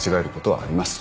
ありますよ。